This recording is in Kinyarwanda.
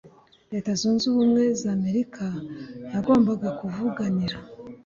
leta zunze ubumwe za amerika yagombaga kuvuganira